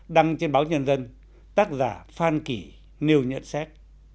đăng trên báo nhân dân tác giả phan kỳ nêu nhận xét